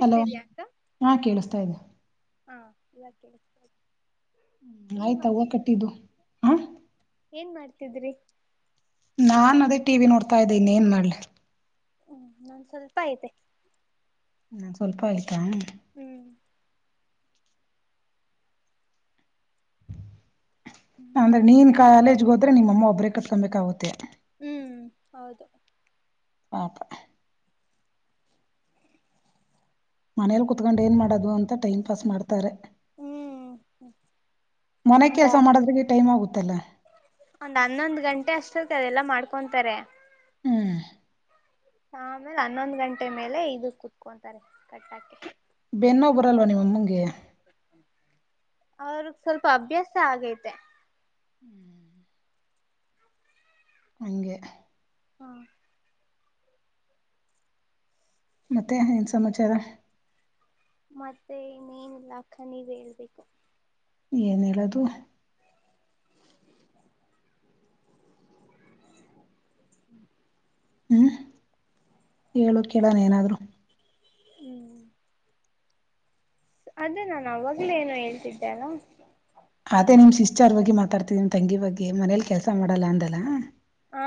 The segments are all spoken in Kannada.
ಹಲೋ ಅಕ್ಕ ಹಾ ಕೇಳಿಸ್ತಾ ಇದ್ದೆ ಹಾ ಇದ ಹ್ಮ ಆಯ್ತಾ ಹೂ ಕಟ್ಟಿದ್ದು ಹ ಏನ್ ಮಾಡ್ತಿದ್ರಿ ನಾನ್ ಅದೇ ಟಿವಿ ನೋಡ್ತಾ ಇದ್ದೆ ಇನ್ ಏನ್ ಮಾಡ್ಲ ಹ್ಮ್ ಇನ್ ಸ್ವಲ್ಪ ಐತೆ ನಾ ಸ್ವಲ್ಪ ಆಯ್ತಾ ಹ್ಮ್ ಹ್ಮ್ ಅಂದ್ರೆ ಸ್ವಲ್ಪ ನೀನ್ ಹೊತ್ತ ಕಾಲೇಜ್ಗೆ ಹೋದ್ರೆ ನಿಮ್ಮ ಅಮ್ಮ ಒಬ್ರೇ ಕಟ್ಕೊಂಬಬೇಕಾಗುತ್ತೆ ಹ್ಮ್ ಹೌದು ಪಾಪ ಮನೇಲಿ ಕುೂತ್ಕೊಂಡು ಏನ್ ಮಾಡೋದು ಅಂತ ಟೈಮ್ ಪಾಸ್ ಮಾಡ್ತಾರೆ ಹ್ಮ್ ಮನೆ ಒಂದಾ ಕೆಲಸ ಮಾಡದ್ರಿಗೆ ಟೈಮ್ ಆಗುತ್ತಲ್ಲ ಸತ ಅದೆಲ್ಲ ಮಾಡ್ಕೊಂತಾರೆ ಹ್ಮ್ ಆಮೇಲೆ ಹನ್ನೊಂದ್ ಗಂಟೆ ಮೇಲೆ ಇದ ಕುೂತ್ಕೊಂತಾರೆ ಕಟ್ಟಾಕ್ಕೆೆ ಬೆನ್ನ ನೋವು ಬರಲ್ವ ನಿಮ್ಮಮ್ಮಂಗೆ ಅವ್ರ ಸ್ವಲ್ಪ ಅಭ್ಯಾಸ ಆಗೈತೆ ಹಗೆ ಹಾ ಮತ್ತೆ ಏನ್ ಸಮಾಚಾರ ಮತ್ತೆ ಇನೇನಿಲ್ಲ ಖನಿ್ ಹೇಳ್ಬೇಕು ಏನಲ್ಲದು [inaudible] ಹ್ಮ್ ಹೇಳು ಕೆಲಣ ಏನಾದ್ರು ಹ್ಮ್ ಅದೇ ನಾನು ಅವಾಗ್ಲೇ ಏನು ಹೇಳ್ತಿದ್ದೆಲ್ಲ ಅದೇ ನಿಮ್ ಶಿಸ್ಟ್ಾರ್ ಬಗ್ಿ ಮಾತಾಡ್ತಿದಿ ನಿಮ್ ತಂಗಿ ಬಗ್ಗೆ ಮನೇಲಿ ಕೆಲಸ ಮಾಡಲ್ಲ ಅಂದಲ್ಲಾ ಹಾ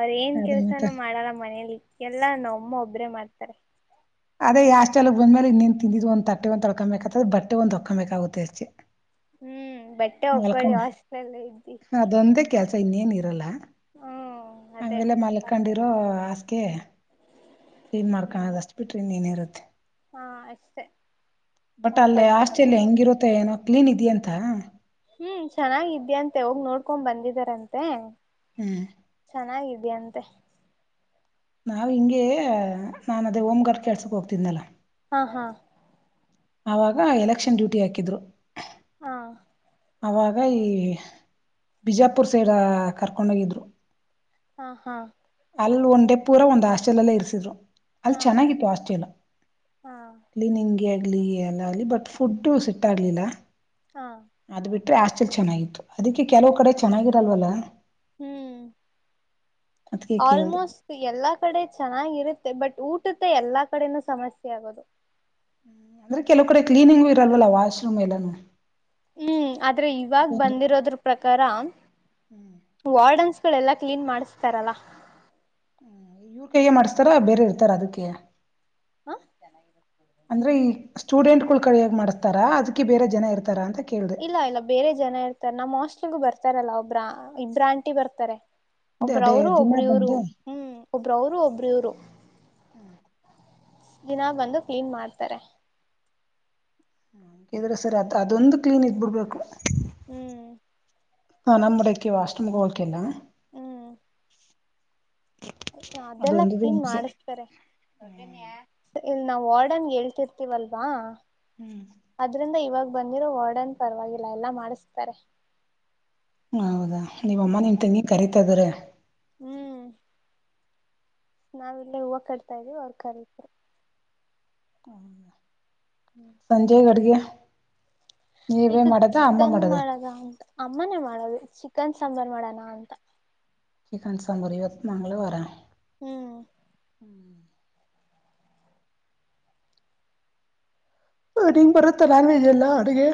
ಅವ್ರೇಏನ್ ಕೆಲ್ಸಾನು ಮಾಡಲ್ಲ ಮನೇಲಿ ಎಲ್ಲಾ ನ ಒಮ್ಮೊಬ್ಬ ಆದ್ರೆ ಮಾಡ್ತಾರೆ ಅದೇ ಯಷ್ಟೆಲ್ಲ ಬಂದ್ಮೇಲೆ ಇನ್ನೇನ್ ತಿಂದಿದ್ ಒಂದ ತಟ್ಟೆ ಒಂದ ತೊಳ್ಕೊಂಬಬೇಕಕ್ತದ ಬಟ್ಟೆ ಒಂದ್ಕೊಬೇಕಾಗುತ್ತೆ ಅಷ್ಟೇ ಹ್ಮ್ ಬಟ್ಟೆ ಹೊಕ್ಕೊಳ್ಳಿ ಮಲ್ಕೊಂಡು ಹಾಸ್ಪಲ್ಲ ಇದ್ದ ಸ್ ಇನ್ನ್ ಏನ್ ಇರಲ್ಲ ಅದೇ ಆಮೇಲೆ ಮಲ್ಕೊಂಡಿರೋ ಹಾಸ್ಕೆ ಕ್ಲೀನ್ ಹ್ಮ್ ಮಾಡ್ಕಣದ ಅಷ್ಟ ಬಿಟ್ರೆ ಇನ್ ಎನ್ ಇರತ್ತೆ. ಹಾ ಅಷ್ಟೇ ಬಟ್ ಅವ್ರ ಅಲ್ಲೇ ಬಟ್ಟೆ ಹಾಸ್ಟೆಲ್ ಹೆಂಗಿರುತ್ತೊ ಏನೋ ಕ್ಲೀನ್ ಇದ್ಯಾಂತ. ಹ್ಮ್ ಚೆನ್ನಾಗಿದ್ಯಂತೆ ಹೋಗ್ ನೋಡ್ಕೊಂಡ್ ಬಂದಿದಾರಂತೆ. ಹ್ಮ್ ಚೆನ್ನಾಗಿದ್ಯಂತೆ. ನಾವು ಹಿಂಗೆ ನಾನ್ ಅದೇ ಹೋಮ್ ಗರ್ಕ್ ಕೆಲಸಕ್ ಹೋಗ್ತಿದನಲ್ಲ. ಹಾ ಹಾ ಅವಾಗ ಎಲೆಕ್ಷನ್ ಡ್ಯೂಟಿ ಹಾಕಿದ್ರು. ಹಾ ಅವಾಗ ಈ ಬಿಜಾಪುರ್ ಸೈಡ್ ಕರ್ಕೊಂಡೋಗಿದ್ರು. ಹಾ ಹಾ ಅಲ್ ಒಂಡೇ ಪೂರ ಒಂದ್ ಹಾಸ್ಟೆಲ್ ಅಲ್ಲೇ ಇರಿಸಿದ್ರು ಅಲ್ ಹಾ ಹಾ ಚೆನ್ನಾಗಿತ್ತು ಹಾಸ್ಟಿಲ ಹಾ ಕ್ಲೀನಿಂಗ್. ಏ ಆಗ್ಲಿ ಅಲ್ಲ ಅಲ್ಲಿ ಬಟ್ ಫುಡ್ ಸೆಟ್ ಆಗ್ಲಿಲ್ಲ. ಹಾ ಪೆ ಹಾಸ್ಟೆಲ್ ಚೆನ್ನಾಗಿತ್ತು ಅದಿಕ್ಕೆ ಕೆಲವು ಕಡೆ ಚೆನ್ನಾಗಿರಲ್ವಲ್ಲ. ಹ್ಮ್ ಅದಕ್ಕೆ ಕೇಳಿದೆ ಆಲ್ಮೋಸ್ಟ್ ಎಲ್ಲಾ ಕಡೆ ಚೆನ್ನಾಗಿರುತ್ತ ಬಟ್ ಊಟದೆ ಎಲ್ಲಾ ಕಡೆನೂ ಸಮಸ್ಯೆ ಆಗೋದು. ಹ್ಮ್ ಅಂದ್ರೆ ಕೆಲವು ಕಡೆ ಕ್ಲೀನಿಂಗು ಇರಲ್ವಲ್ಲ ವಾಶ್ರೂಮ್ ಎಲ್ಲಾನು. ಹ್ಮ್ ಆದ್ರೆ ಇವಾಗ ಬಂದಿರೋದ್ರ ಪ್ರಕಾರ ವಾರ್ಡನ್ಸ್. ಫುಲ್ ಎಲ್ಲಾ ಕ್ಲೀನ್ ಮಾಡಸ್ತಾರಲ್ಲ. ಹ್ಮ್ ಇವ್ರ ಕೈಯ್ಯ ಮಾಡಸ್ತಾರ ಬೇರೆ ಇರ್ತಾರ ಅದಕ್ಕೆ. ಹಾ ಚೆನಗಿಲ ಅಂದ್ರೆ ಈ ಸ್ಟೂಡೆಂಟ್ ಗುಳು ಕೈಯಾಗ ಮಾಡಸ್ತಾರಾ ಅದಕ್ಕೆ ಬೇರೆ ಜನ ಇರ್ತಾರ ಅಂತ ಕೇಳಿದೆ ಇಲ್ಲ ಇಲ್ಲ ಬೇರೆ ಜನ ಇರ್ತಾರ ನಮ್ಮ್ ಹಾಸ್ಟೆಲಿಗು ಬರ್ತಾರಲ್ಲ ಒಬ್ರ ಇಬ್ರ ಆಂಟಿ ಬರ್ತಾರೆ. ಅದೇ ಒಬ್ರವರು ದಿನ ಒಬ್ರ ಇವ್ರು ಬಂದು ಹ್ಮ್ ಒಬ್ರವರು ಒಬ್ರ ಇವ್ರು. ಹ್ಮ್ ದಿನ ಬಂದು ಕ್ಲೀನ್ ಮಾಡ್ತಾರೆ. ಹ ಹಂಗಿದ್ರೆ ಸರಾ ಅತ್ರ ಅದೊಂದು ಕ್ಲಿನ್ ಇದ್ದ ಬಿಡ್ಬೇಕು. ಹ್ಮ್ ಹ ನಮ್ ದುಕ್ಕೇ ವಾಶ್ ರೂಮ್ ಹೋಕಿಲ್ಲ. ಹ್ ಅದೆಲ್ಲ ಅದೊಂದು ಕ್ಲಿನ್ ಹಿಂಸೆ ಮಾಡಸ್ತಾರೆ ಇಲ್ ನಾವು ವಾರ್ಡನ್ ಹೇಳ್ತಿರ್ತಿವಲ್ವ ಹ್ಮ್ ಅದ್ರಿಂದ ಇವಾಗ ಬಂದಿರೋ ವಾರ್ಡನ್ ಪರವಾಗಿಲ್ಲ ಎಲ್ಲಾ ಮಾಡಸ್ತಾರೆ. ಹೌದಾ ನಿಮ್ ಅಮ್ಮ ನಿಮ್ ತಂಗಿ ಕರೀತಾ ಇದಾರೆ. ಹ್ಮ್ ನಾವ್ ಇಲ್ಲೇ ಹೂವು ಕಟ್ತಾ ಇದೀವಿ ಅವ್ರ ಕರಿತ್ರ ಸಂಜೆಗೆ ಅಡ್ಗೆ. ನೀವೇ ಇದು ಮಾಡದ ಅಮ್ಮ ಚಿಕನ್ ಮಾಡದ ಅಂತ ಅಮ್ಮನೇ ಮಾಡದು ಚಿಕನ್ ಸಾಂಬಾರ್ ಮಾಡಣ ಅಂತ. ಚಿಕನ್ ಸಾಂಭಾರ್ ಇವತ್ತ ಮಂಗಳವಾರ. ಹ್ಮ್. ಹ ನಿಂಗ್ ಬರುತ್ತಾ ನಾನ್ವೇಜ್ ಎಲ್ಲಾ ಅಡಗೆ.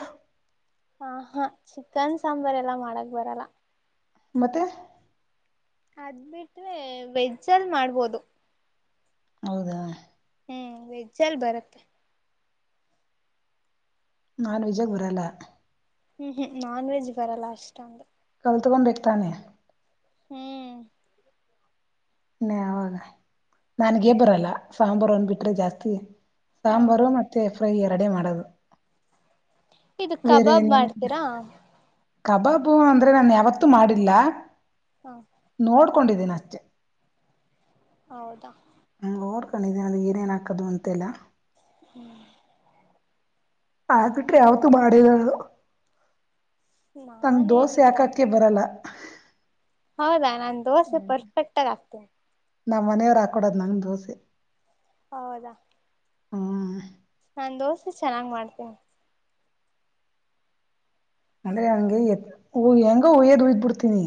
ಹ ಹಾ ಚಿಕನ್ ಸಾಂಬಾರ್ ಎಲ್ಲ ಮಾಡಕ್ ಬರಲ್ಲ. ಮತ್ತೆ ಅದ್ ಬಿಟ್ರೆ ವೆಜ್ಜ್ ಅಲ್ ಮಾಡ್ಬೋದು. ಹೌದಾ ಹ್ಮ್ ವೆಜ್ಜಲ್ ಬರತ್ತೆ. ನಾನ್ ವಿಜಯಗರಲ ಹ್ಮ್ ಹ್ಮ್ ನಾನ್ ವೆಜ್ ಬರಲ್ಲ ಅಷ್ಟೊಂದು ಕತ್ಕೋಬೇಕು ತಾನೇ ಹ್ಮ್ ಇ ಅವಾಗ ನನ್ಗೇ ಬರಲ್ಲ ಸಾಂಬಾರು ಅಂದಬಿಟ್ರೆ ಜಾಸ್ತಿ ಹ ಸಾಂಬಾರು ಮತ್ತೆಫ್ರೈ ಎರಡೆ ಮಾಡೋದು ಇದು ಬೇರೆ ಕಬಾಬ್ ಏನೇನು ಮಾಡ್ತೀರಾ ಕಬಾಬು ಅಂದ್ರೆ ನಾನ ಯಾವತ್ತೂ ಮಾಡಿಲ್ಲ ಹಾ ಕೊಂಡಿದ್ದೀನ ಅಷ್ಟೆ ಹೌದಾ ನೋಡ್ಕೊಂಡಿಧಿನಿ ಏನ್ ಏನ್ ಹಾಕೋದು ಅಂತ ಯಲ್ಲ ಹ್ಮ್. ಬಿಟೆ ಯಾವತ್ತುೂ ಮಾಡೇಯಿಲ್ಲ ನಾನು. ತಂಗ ದೋಸೆ ನಾನೇನಿಲ್ಲ ಯಾಕಕ್ಕೆ ಬರಲ್ಲ ಹೌದಾ ನಾನ್ ದೋಸೆ ಪರ್ಫೆಕ್ಟ್ಗ ಆಗ್ತೇನೆ ನಮ್ಮ್ ಮನೆಯವರು ಹಾಕೊಡೋದ್ ನಂ ದೋಸೆ ಹೌದಾ ಹಾ ನಾನ್ ದೋಸೆ ಚೆನ್ನಾಗ್ ಮಾಡ್ತೆೇನೆ ಅಂದ್ರೆ ಹಂಗೆ ಎತ್ ಹೆಂಗ ಹಯ್ಯದ್ ಹಯ್ದ್ ಬಿಡ್ತೀನಿ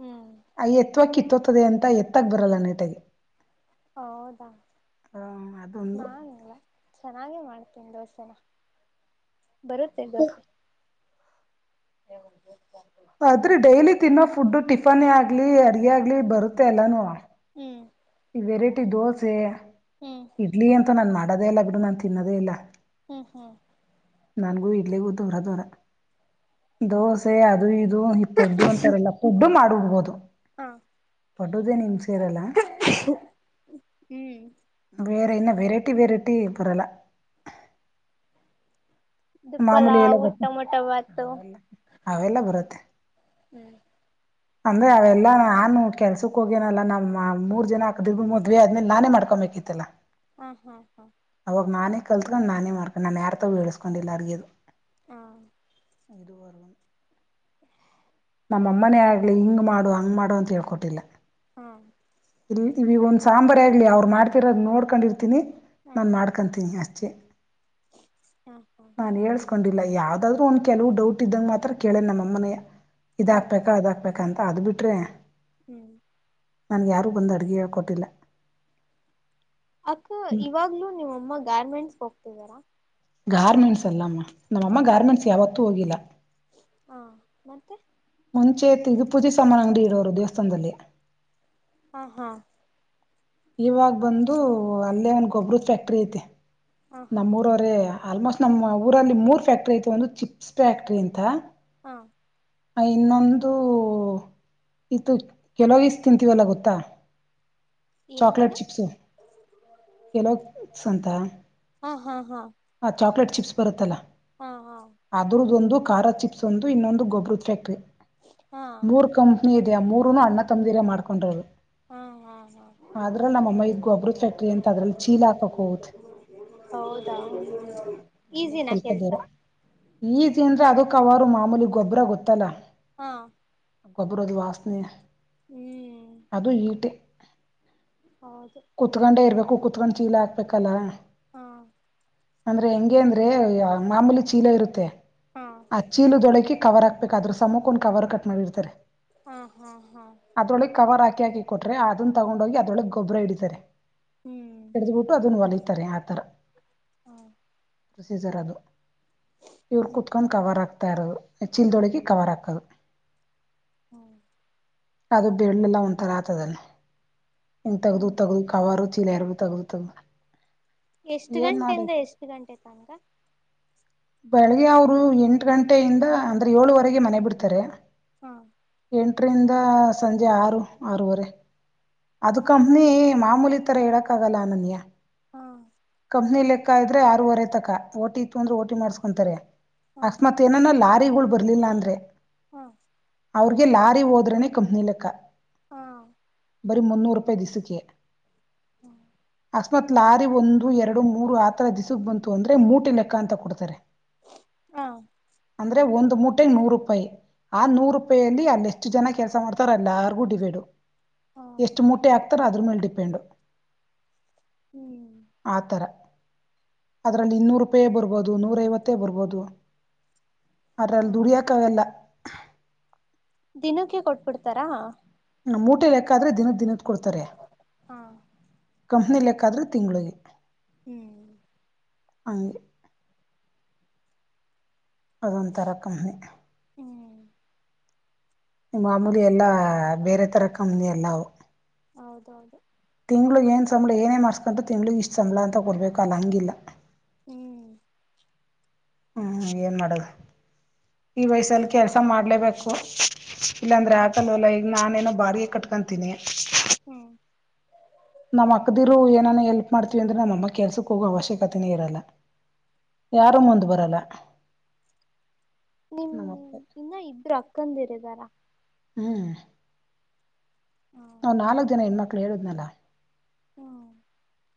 ಹ್ಮ್ ಅಯ ಎತ್ ಇತ್ವಾ ಕಿತ್ತತದೆ ಅಂತ ಎತ್ತಕ್ ಬರಲ್ಲ ನೇಟಗೆ ಹೌದಾ ಅದೊಂದು ನಾನಲ್ಲ ಚೆನ್ನಾಗೆ ಮಾಡ್ತೇನಿ ದೋಸೆನ ಬರುತ್ತೇ ದೋಸೆ ಹ ಹದು ಆದ್ರೆ ಡೈಲಿ ತಿನ್ನೋ ಫುಡ್ ಟಿಫನ್ ಆಗ್ಲಿ ಅಡಗೆ ಆಗ್ಲಿ ಬರುತ್ತೆ ಅಲ್ಲಾನ ಹ್ಮ್ ಈ ವೆರೈಟಿ ದೋಸೆ ಹ್ಮ್ ಇಡ್ಲಿ ಅಂತ ನಾ ಮಾಡೋದೇ ಇಲ್ಲ ಬಿಡು ನಾನನ್ ತಿನ್ನೋದೇ ಇಲ್ಲ ಹ್ಮ ಹ್ಮ್ ನನ್ಗೂ ಇಡ್ಲಿಗೂ ದೂರ ದೂರ ದೋಸೆ ಅದು ಇ ದು ಈ ಪೊಡ್ಡು ಅಂತಾರಲ್ಲ ಪುಡ್ಡು ಮಾಡ ಹಬಹುದು ಹಾ ಪಡುದೆೇ ನೀನ್ ಸೇರಲ್ಲ ಹ್ಮ್ ವೇರೆ ಇನ್ನ ವೆರೈಟಿ ವೆರೈಟಿ ಬರಲ್ಲ ದುಪ್ಪಲ್ಲ ಮಾಮೂಲಿ ಎಲ್ಲ ಊಟ ಗೊತ್ತ ಮಊಟ ಭಾತು ಅವೆಲ್ಲ ಅವೆಲ್ಲ ಬರುತ್ತೆ ಹ್ಮ ಅಂದ್ರೆ ಅವೆಲ್ಲಾ ನಾನು ಕೆಲ್ಸಕ್ ಹೋಗೇನಲ್ಲ ನಮ್ಮ್ ಮೂರ್ ಜನ ಹಾಕ್ದ ಮದ್ವಿ ಆದ್ಮೇಲೆ ನಾನೇ ಮಾಡ್ಕೊ [unintelligible] ಕಿಲ್ಲ ಹ್ಮ ಹಾ ಹಾ ಕಲ್ತ್ಕೊಂಡು ನಾನೇ ಮಾಡ್ಕೊಂಡು ನಾನು ಯಾರತೋ ಬಳ್ಸಸ್ಕೊಂಡಿಲ್ಲ ಅರ್ಗದು ಹಾ ಇುವರೆಗೂ ನಮ್ಮ ಅಮ್ಮನೇ ಆಗ್ಲಿ ಹಿಂಗ್ ಮಾಡು ಹಂಗ್ ಮಾಡು ಅಂತ ಹೇಳ್ಕೊಟ್ಟಿಲ್ಲ ಹ್ಮ ಇಲ್ಲಿ ಇವಗ ಒಂದ್ ಸಾಂಬಾರ್ ಆಗ್ಲಿ ಅವ್ರು ಮಾಡ್ತಿರೋದ್ ನೋಡ್ಕೊಂಡಿರ್ತಿನಿ ನಾನ್ ಮಾಡ್ಕೊಂತೀನಿ ಅ ಚೆ ಹ ಹಾ ಯಾವ್ದಾದ್ರು ಒಂದ್ ಕೆಲವು ಡೌಟ್ ಇದ್ದಂಗಗೆ ಮಾತ್ರ ಕೇಳೇನ್ ನಮ್ಮ ಅಮ್ಮನ ಇದ ಹಾ ಹಾಕ್ಬೇಕಾ ಅದ ಹಾಕ್ಬೇಕಾ ಯಂತ ಅದ್ ಬಿಟ್ರೆ ಹ್ಮ್ ನನ್ಗೆ ಯಾರೂ ಬಂದು ಅಡುಗೆ ಕೊಟ್ಟಿಲ್ಲ ಅಕ್ಕ ಇವಾಗ್ಲುೂ ನಿವಮ್ಮ ಗಾರ್ಮೆಂಟ್ಸ್ ಹೋಗ್ತಿದಾರಾ ಗಾರ್ಮೆಂಟ್ಸ್ ಅಲ್ಲಮ್ಮ ನಮ್ಮಅಮ್ಮ ಮತ್ತೆ ಗಾರ್ಮೆಂಟ್ಸ್ ಯಾವತ್ತೂ ಹೋಗಿಲ್ಲ ಹಾ ಮತ್ತೆ ಮುಂಚೆ ಇತ್ತು ಇದು ಪೂಜೆ ಸಾಮಾನ ಅಂಗಡಿ ಇಡೋರು ದೇವಸ್ಥಾನದಲ್ಲಿ. ಹಾ ಹಾ ಇವಾಗ ಬಂದು ಅಲ್ಲೇ ಒಂದ್ ಗೊಬ್ಬ್ರದ ಫ್ಯಾಕ್ಟ್ರಿ ಐತೆ ಹಾ ಹಾ ನಮ್ಮೂರವರೇ. ಆಲ್ಮೋಸ್ಟ್ ನಮ್ಮ ಊರಲ್ಲಿ ಮೂರ್ ಫ್ಯಾಕ್ಟ್ರಿ ಐತೆ ಒಂದು ಚಿಪ್ಸ್ ಫ್ಯಾಕ್ಟ್ರಿ ಅಂತ. ಹಾ ಇನ್ನೊಂದು ಇದು ಕೆಲವೀಸ್ ತಿಂತೀವಲ್ಲ ಗೊತ್ತಾ. ಚಾಕ್ಲೇಟ್ ಏನೇನು ಚಿಪ್ಸು ಕೆಲೋಸ್ ಸಂತ. ಹಾ ಹಾ ಹಾ ಚಾಕ್ಲೇಟ್ ಚಿಪ್ಸ್ ಬರುತ್ತಲ್ಲ ಹಾ ಹಾ ಅದ್ರದ ಒಂದು ಖಾರ ಚಿಪ್ಸ್ ಒಂದು ಇನ್ನೊಂದು ಗೊಬ್ರದ ಫ್ಯಾಕ್ಟ್ರಿ ಹಾ ಮೂರ್ ಕಂಪ್ನಿ ಇದೆ ಮೂರುನು ಅಣ್ಣತಮ್ಮದಿರೆ ಮಾಡ್ಕೊಂಡಿರೋದು. ಹಾ ಹಾ ಹಾ ಅದ್ರಲ್ಲಿ ನಮ್ಮಅಮ್ಮ ಇದ್ ಗೊಬ್ರದ ಫ್ಯಾಕ್ಟ್ರಿ ಅಂತ ಅದ್ರಲ್ಲಿ ಚೀಲ ಹಾಕಕ್ ಹೋಗುತ್ತೆ. ಹೌದಾ ಅಲ್ಲೇ ಈಸಿನ ಸ್ವಲ್ಪ ಕೆಲ್ಸ ದೂರೆ ಈಜಿಂದ್ರ. ಅದಕ್ಕ ಅವಾರು ಮಾಮೂಲಿ ಗೂಬ್ರ ಗೊತ್ತಲ್ಲ. ಹಾ ಗೊಬ್ಬರದ ವಾಸನೆ ಹ್ಮ್ ಅದು ಈಟೆ. ಹೌದು ಕುತ್ಕೊಂಡೆ ಇರ್ಬೇಕು ಕುತ್ಕೊಂಡ್ ಚೀಲ ಹಾಕ್ಬೇಕಲ್ಲ. ಹಾ ಅಂದ್ರೆ ಹೆಂಗೆ ಅಂದ್ರೆ ಮಾಮೂಲಿ ಚೀಲ ಇರುತ್ತೆ ಹಾ ಆ ಚೀಲದೊಳಕೆ ಕವರ್ ಹಾಕ್ ಬೇಕಾದ್ರೂ ಸಮ್ಮುಕ ಒಂದ ಕವರ್ ಕಟ್ ಮಾಡಿರ್ತಾರೆ. ಹ್ಮ ಹ್ಮ ಹಾ ಿ [unintelligible] ಹಾಕಿ ಕೊಟ್ರೆ ಅದನ್ನ ತಗೊಂಡ್ ಹೋಗಿ ಅದೊಳಗ್ ಗೊಬ್ರ ಹಿಡಿತಾರೆ ಹ್ಮ್ ಹಿಡ್ದಬಿಟ್ಟು ಅದನ್ನು ಹೊಲ ತರೆ ಆತರ. ಹ್ಮ ಪ್ರೊಸೀಜರ್ ಅದು ಇವ್ರು ಹ್ಮ್ ಕುತ್ಕೊಂಡು ಕವರ್ ಹಾಕ್ ತರದು ಚೀಲದೊಳಗೆ ಕವರ್ ಹಾಕದು. ಹ್ಮ್ ಅದು ಬೆರಳೆಲ್ಲ ಒಂಥರ ಆತದದಲ್ಲಿ ಹಿಂಗ ತಗ್ದ ಹ್ಮ್ ತಗದು ಕವರು. ಯರ [unintelligible] ತಗ್ದು ತಗ್ದು. ಎಷ್ಟ ಗಂಟೆಯಿಂದ ಎಷ್ಟ ಗಂಟೆ ತನ್ಕ. ಬೆಳಿಗ್ಗೆ ಅವರು ಎಂಟ ಗಂಟೆಯಿಂದ ಅಂದ್ರೆ ಏಳುವರೆಗೆ ಮನೆ ಬಿಡ್ತಾರೆ. ಹಾ ಎಂಟರಿಂದ ಸಂಜೆ ಆರು ಆರುವರೆ. ಅದ ಕಂಪ್ನಿ ಮಾಮೂಲಿ ತರ ಹೇಳಕ್ ಆಗಲ್ಲ ಅನನ್ಯ. ಹ್ಮ ಅದ್ನೇ ಲೆಕ್ಕ ಇದ್ರೆ ಆರುವರೆ ತಕ ಓಟಿ ಇತ್ತು ಅಂದ್ರ ಓಟಿ ಮಾಡಸ್ಕೊಂತಾರೆ ಹಾ ಅಕಸ್ಮತ್ ಏನನ್ ಲಾ ಕಾರಿಗಳು [unintelligible] ಬರ್ಲಿಲ್ಲಾ ಅಂದ್ರೆ. ಹ್ಮ ಅವ್ರಗೆ ಲಾರಿ ಹೋದ್ರನೆೇ ಕಂಪ್ನಿಲೆಕ್ಕ. ಹಾ ಬರಿ ಮನ್ನೂರೂಪಾಯಿ ದಿವ್ಸಕ್ಕೆ. ಹ್ಮ ಅಕಸ್ಮಾತ್ ಲಾರಿ ಒಂದು ಎರಡು ಮೂರು ಆತರ ದಿವ್ಸಕ್ ಬಂತು ಅಂದ್ರೆ ಮೂಟೇ ಲೆಕ್ಕ ಅಂತ ಕೊಡ್ತಾರೆ. ಹಾ ಅಂದ್ರೆ ಒಂದ್ ಮೂಟೆೆಗೆ ನೂರು ರೂಪಾಯಿ. ಆ ನೂರು ರೂಪಾಯಲ್ಲಿ ಅಲ್ಲಿ ಎಷ್ಟು ಜನ ಕೆಲ್ಸ ಮಾಡ್ತಾರ ಅಲ್ಲಾರ್ಗೂ ಡಿವೇಡು. ಹಾ ಹಾ ಎಷ್ಟು ಮೂಟೆ ಹಾಕ್ತಾರ ಅದ್ರ ಮೇಲೆ ಡಿಪೆಂಡು. ಹ್ಮ್ ಆ ಥರ ಅದರಲ್ಲಿ ಇನ್ನೂರು ರೂಪಾಯೇ ಬರ್ಬೋದು ನೂರೈವತ್ತೇ ಬರ್ಬೋದು. ಹಾ ಅರ್ರಲ್ಲಿ ದುಡಿಯಕ ಆಗಲ್ಲ. ದಿನಕ್ಕೆ ಕೊಟ್ಬಿಡ್ತಾರಾ. ಮೂಟೆ ಲೆಕ್ಕಾದ್ರೆ ದಿನದ ದಿನದ ಕೊಡ್ತಾರೆ. ಹಾ ಕಂಪನಿ ಆದ್ರೆ ತಿಂಗಳಿಗೆ ಹ್ಮ್ ಅಂಗೆ ಅದೊಂತರ ಕಂಪನಿ ಹ್ಮ್ ಮಾಮೂಲಿ ಎಲ್ಲಾ ಬೇರೆ ತರ ಕಂಪನಿ ಎಲ್ಲ ಅವು ಹೌದೌದು ತಿಂಗಳಿಗೆ ಏನ್ ಸಂಬಳ ಏನೇ ಮಾಡ್ಸ್ಕೊಂಡ್ರು ತಿಂಳಗ್ ಇಷ್ಟ ಸಂಬಳ ಅಂತ ಕೊಡ್ಬೇಕು ಅಲ್ಲ ಹಂಗಿಲ್ಲ ಹ್ಮ್ ಹ್ಮ್ ಏನ್ ಮಾಡದು ಈ ವಯಸಲ್ಲಿ ಕೆಲ್ಸ ಮಾಡ್ಲೇಬೇಕು ಇಲ್ಲಾಂದರೆ ಹ್ಮ್ ಆಕಲ್ವಲ್ಲ ಈಗ ನಾನೇನೋ ಬಾಡಿಗೆ ಕಟ್ಕೊತೀನಿ ಹ್ಮ್ ನಮ್ಮ್ ಅಕ್ಕದಿರು ಏನಾನ ಎಲ್ಪ್ ಮಾಡ್ತಿವಿ ಅಂದ್ರೆ ನಮ್ಮ ಅಮ್ಮ ಕೆಲ್ಸಕ್ಕೆ ಹೋಗೋ ಅವಶ್ಯಕತೆನೇ ಇರಲ್ಲ ಯಾರು ಮುಂದು ಬರಲ್ಲ ನಿಮ್ ನಮ್ಮಪ್ಪ ಇನ್ನ ಇಬ್ರು ಅಕ್ಕಂದ ಇರಿದಾರ ಹ್ಮ ಹ್ಮ್ ನಾ ನಾಲ್ಕ್ ಜನ ಹೆಣ್ಮಕ್ಳು ಹೇಳುದ್ನಲ್ಲ ಹ್ಮ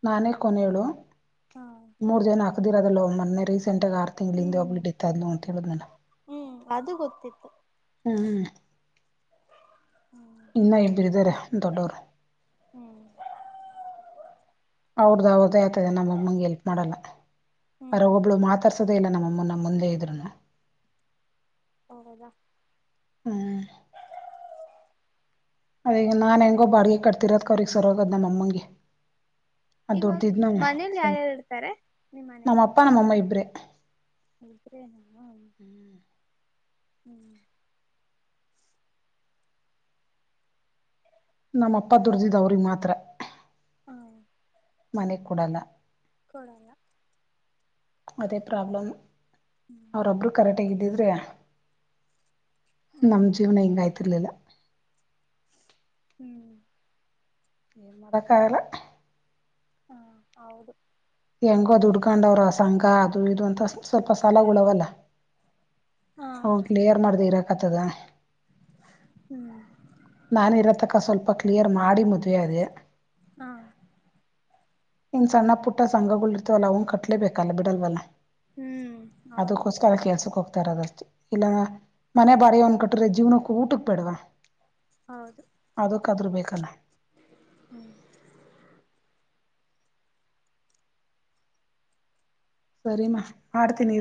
ನಾನೇ ಕೊನೇಳು ಮೂರ್ ಜನ ಹಾಕ್ದಿರದಲ್ಲವ ಮೊನ್ನೆ ರೀಸೆಂಟ್ ರೀಸೆಂಟ್ ಆಗಿ ಆರು ತಿಂಗಳ ಹಿಂದೆ ಹ್ಮ್ ಒಬ್ಬಳು ಡೆತ್ ಆದ್ಲು ಅಂತ ಹೇಳಿದ್ನಲ್ಲ ಹ್ಮ್ ಅದು ಗೊತ್ತಿತ್ತು ಹ್ಮ ಹ್ಮ್ ಇನ್ನ ಇಬ್ಬರು ಇದ್ದಾರೆ ದೊಡ್ಡೋರು ಹ್ಮ್ ಅವರದು ಅವರದ್ದೇ ಆಗ್ತದೆ ನಮ್ಮಮ್ಮಂಗೆ ಹೆಲ್ಪ್ ಮಾಡಲ್ಲ ಹ್ಮ್ ಅದರೊಳಗೊಬ್ಬಳು ಮಾತಾಡ್ಸಲ್ಲ ಇಲ್ಲ ನಮ್ಮಮ್ಮ ನಮ್ ಮುಂದೆ ಇದ್ರುನು ಹೌದಾ ಹ್ಮ ಅದ ಈಗ ನಾನ್ ಹೆಂಗೋ ಬಾಡಿಗೆ ಕಟ್ತಿರೋದ ಅವ್ರಗ್ ಸರೋಗದ್ ನಮ್ಮ ಅಮ್ಮಗೆ ಅದ ಇವಾಗ ದದುಡ್ದಿದ್ನ ಮನೇಲಿ ಯಾರ್ಯಾರು ಇರ್ತಾರೆ ನಮ್ಮ ಅಪ್ಪ ನಮ್ಮಮ್ಮ ಇಬ್ರೆ ಇಬ್ರೇ ನ ಹ್ಮ್ ನಮ್ಮ ಅಪ್ಪ ದುಡ್ದಿದ್ ಅವ್ರಿಗ್ ಮಾತ್ರ ಹ್ಮ ಮನೆ ಕೊಡಲ್ಲ ಕೊರೋನಾ ಅದೇ ಪ್ರಾಬ್ಲಮ್ ಹ್ಮ್ ಅವ್ರೊಬ್ರು ಕರೆಕ್ಟ್ ಇದ್ದಿದ್ರೆ ಹ್ಮ್ ನಮ ಜೀವನ ಹೆಂಗಾಯ್ತು ಹ್ಮ್ ಏನ್ ಮಾಡಕ್ ಆಗಲ್ಲ ಹಾ ಹೌದು ಹೆಂಗ ಅದು ಉಡ್ಕೊಂಡವ್ರ ಸಂಘ ಅದು ಇದು ಅಂತ ಸ್ವಲ್ಪ ಸಾಲಗಳಾವಲ್ಲ ಹಾ ಹ ಕ್ಲಿಯರ್ ಮಾಡ್ದ ಇರಕಾತದಾ ಹ್ಮ್ ನಾನಿರೋತಕ್ಕ ಸ್ವಲ್ಪ ಕ್ಲಿಯರ್ ಮಾಡಿ ಮದ್ವವೆ ಅದೇ ಹಾ ಇನ್ ಸಣ್ಣ ಪುಟ್ಟ ಸಂಘಗಳ ಇರ್ತವಲ್ಲ ಅವನ್ ಕಟ್ಲೇಬೇಕಲ್ಲ ಬಿಡಲ್ವಲ್ಲ ಹ್ಮ್ ಹೌದು ಅದಕ್ಕೋಸ್ಕರ ಕೆಲ್ಸಕ್ ಹೋಗ್ತಾರದಷ್ಟೇ ಇಲ್ಲ ಮನೆ ಬಾರಿಿಯ ಒಂದ್ಕಟ್ರೆ ಜೀವನಕ್ಕ ಊಟಕ್ ಬೇಡವಾ ಹೌದು ಕಾದ್ರ ಬೇಕಲ್ಲ ಹ್ಮ ಸರಿಮ್ಮ ಮಾಡ್ತೀನಿ